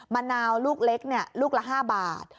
มะนาวลูกเล็กลูกละ๕บาท